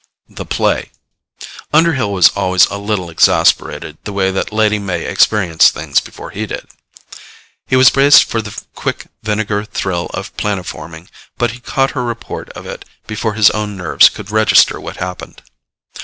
THE PLAY Underhill was always a little exasperated the way that Lady May experienced things before he did. He was braced for the quick vinegar thrill of planoforming, but he caught her report of it before his own nerves could register what happened.